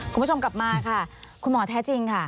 คุณผู้ชมกลับมาค่ะคุณหมอแท้จริงค่ะ